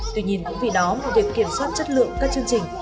tuy nhiên cũng vì đó việc kiểm soát chất lượng các chương trình